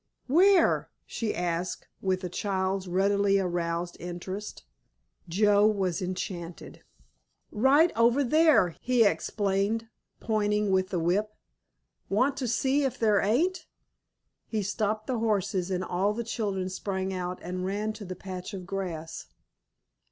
"Where?" she asked, with a child's readily aroused interest. Joe was enchanted. "Right over there," he explained, pointing with the whip. "Want to see if there ain't?" He stopped the horses and all the children sprang out and ran to the patch of grass.